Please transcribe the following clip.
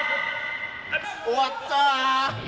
終わった。